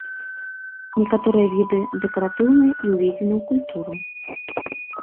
Некаторыя віды дэкаратыўныя і ўведзены ў культуру.